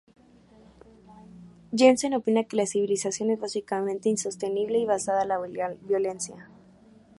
Jensen opina que la civilización es básicamente insostenible y basada en la violencia.